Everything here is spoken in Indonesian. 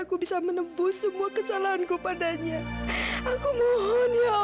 lopas pengsemanaan kepadanya dan tugasnya